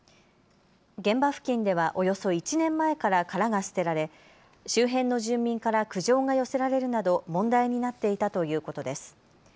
現場付近ではおよそ１年前から殻が捨てられ周辺の住民から苦情が寄せられるなど問題になっていたということです。